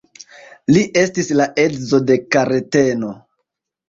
Li estis la edzo de Kareteno.